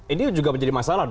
ini juga menjadi masalah